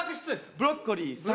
ブロッコリーさん